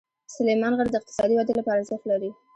سلیمان غر د اقتصادي ودې لپاره ارزښت لري.